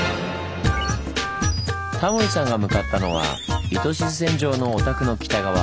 タモリさんが向かったのは糸静線上のお宅の北側。